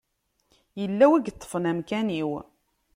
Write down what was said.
Yella win i yeṭṭfen amkan-iw.